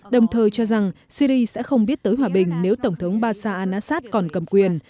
đồng thời cho rằng syri sẽ không biết tới hòa bình nếu tổng thống bashar al assad còn cầm quyền